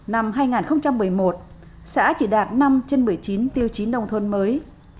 năm hai nghìn một mươi một xã chỉ đạt năm trên một mươi chín tiêu chí nông thôn mới